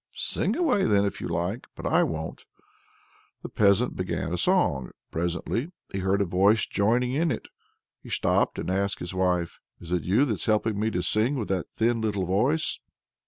"Sing away, then, if you like; but I won't!" The peasant began a song. Presently he heard a voice joining in it. So he stopped, and asked his wife: "Is it you that's helping me to sing with that thin little voice?"